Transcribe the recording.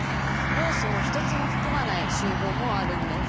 要素を１つも含まない集合もあるんです。